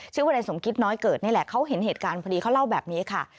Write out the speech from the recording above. วนายสมคิดน้อยเกิดนี่แหละเขาเห็นเหตุการณ์พอดีเขาเล่าแบบนี้ค่ะ